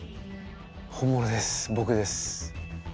本物です僕です。